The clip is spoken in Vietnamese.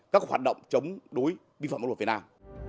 các hoạt động chống đối binh phòng quốc hội việt nam